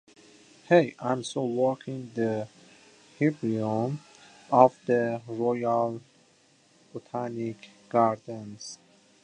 He also worked in the Herbarium of the Royal Botanic Gardens.